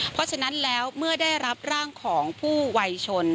เพราะฉะนั้นแล้วเมื่อได้รับร่างของผู้วัยชน